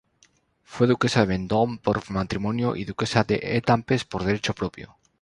Fue duquesa de Vendôme por matrimonio y duquesa de Étampes por derecho propio.